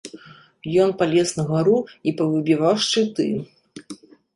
Ён палез на гару і павыбіваў шчыты.